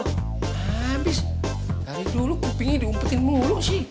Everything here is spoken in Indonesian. habis dari dulu kupingnya diumpetin mulu sih